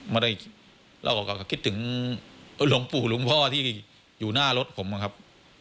เราก็คิดถึงหลวงปู่หลวงพ่อที่อยู่หน้ารถผมนะครับ